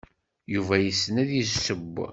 Yuba yessen ad yesseww.